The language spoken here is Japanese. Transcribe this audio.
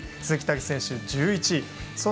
鈴木猛史選手、１１位。